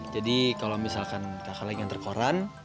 jadi kalau misalkan kakak lagi yang terkoran